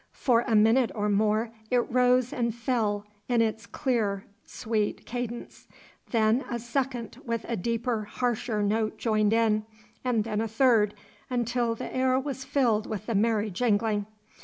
For a minute or more it rose and fell in its sweet clear cadence. Then a second with a deeper, harsher note joined in, and then a third, until he air was filled with the merry jangling.